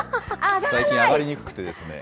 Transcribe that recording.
最近挙がりにくくてですね。